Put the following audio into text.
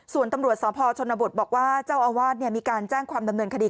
ส่วนตำรวจสพชนบทบอกว่าเจ้าอาวาสมีการแจ้งความดำเนินคดี